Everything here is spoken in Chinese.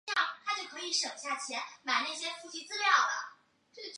罗伯特斯坦恩是哥伦比亚大学建筑系硕士以及耶鲁大学建筑系的硕士。